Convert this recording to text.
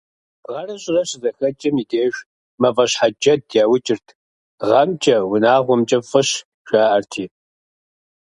Гъэрэ щӀырэ щызэхэкӀым и деж «мафӀэщхьэджэд» яукӀырт, «гъэмкӀэ, унагъуэмкӀэ фӀыщ», жаӀэрти.